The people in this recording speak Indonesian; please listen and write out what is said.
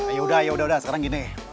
ayo udah udah udah sekarang gini